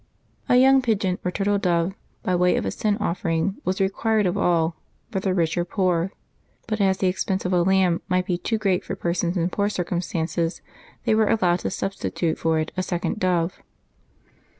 A young pigeon, or turtle dove, by way of a sin offer ing, was required of all, whether rich or poor; but as the expense of a lamb might be too great for persons in poor circumstances, they were allowed to substitute for it a second dove.